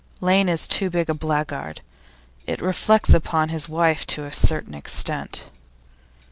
Lane is too big a blackguard; it reflects upon his wife to a certain extent.